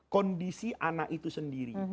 kondisi anak itu sendiri